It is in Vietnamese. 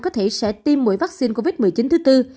có thể sẽ tiêm mũi vắc xin covid một mươi chín thứ tư